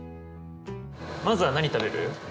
まずは何食べる？